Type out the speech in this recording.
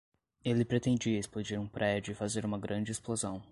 Ele pretendia explodir um prédio e fazer uma grande explosão